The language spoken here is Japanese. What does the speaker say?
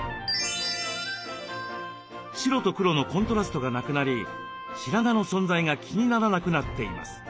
白と黒のコントラストがなくなり白髪の存在が気にならなくなっています。